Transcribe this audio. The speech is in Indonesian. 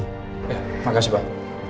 ya terima kasih pak